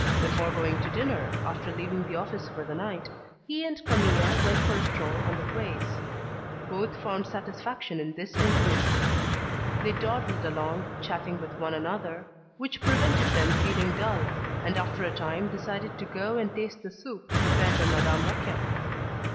Before going to dinner, after leaving the office for the night, he and Camille went for a stroll on the quays. Both found satisfaction in this intimacy. They dawdled along, chatting with one another, which prevented them feeling dull, and after a time decided to go and taste the soup prepared by Madame Raquin.